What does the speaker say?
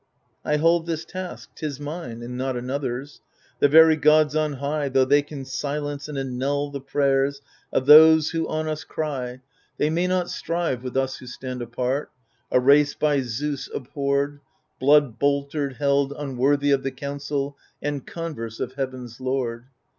I hold this task — ^'tis mine, and not another's. The very gods on high. Though they can silence and annul the prayers Of those who on us cry. THE FURIES 153 They may not strive with us who stand apart, A race by Zeus abhorred, Blood boltered, held unworthy of the council And converse of Heaven's lord.